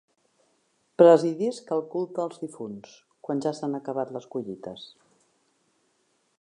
Presidisc el culte als difunts, quan ja s’han acabat les collites.